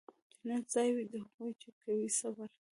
جنت ځای وي د هغو چي کوي صبر